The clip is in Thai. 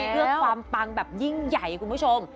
เพื่อความปังแบบยิ่งใหญ่คุณผู้ชม